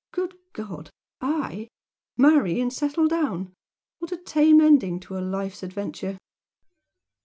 Good God! I? Marry and settle down? What a tame ending to a life's adventure!